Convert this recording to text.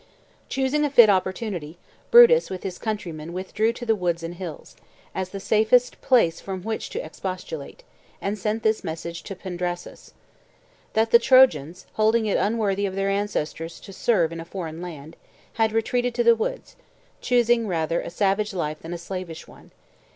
Choosing a fit opportunity, Brutus with his countrymen withdrew to the woods and hills, as the safest place from which to expostulate, and sent this message to Pandrasus: "That the Trojans, holding it unworthy of their ancestors to serve in a foreign land, had retreated to the woods, choosing rather a savage life than a slavish one.